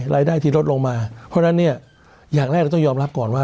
รายได้ที่ลดลงมาเพราะฉะนั้นเนี่ยอย่างแรกเราต้องยอมรับก่อนว่า